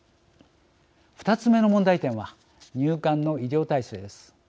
２つ目の問題点は入管の医療体制です。